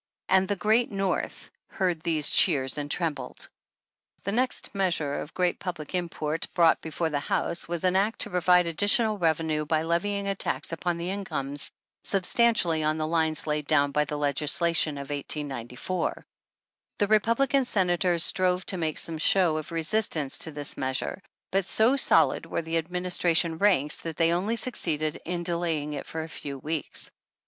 And the Great North heard these cheers and trembled. The next measure of great public import brought before the House was an act to provide additional revenue by levying a tax upon the incomes, sub stantially on the lines laid down by the legislation of 1894. The Republican Senators strove to make some show of resistance to this measure, but so solid were the administration ranks, that they only succeeded in delaying it for a few Aveeks.